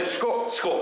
・四股。